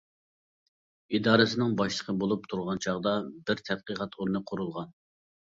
ئىدارىسىنىڭ باشلىقى بولۇپ تۇرغان چاغدا، بىر تەتقىقات ئورنى قۇرۇلغان.